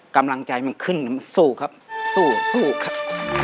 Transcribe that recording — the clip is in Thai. กำลังใจมันขึ้นมันสู้ครับสู้สู้ครับ